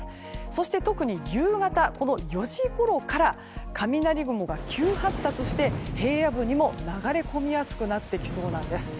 そして特に夕方４時ごろから雷雲が急発達して、平野部にも流れ込みやすくなってきそうなんです。